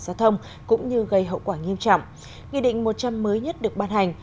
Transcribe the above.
giao thông cũng như gây hậu quả nghiêm trọng nghị định một trăm linh mới nhất được ban hành